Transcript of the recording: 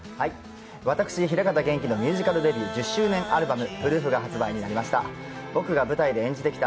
私、平方元基のミュージカルデビュー１０周年アルバム「ＰＲＯＯＦ」が発売になりました。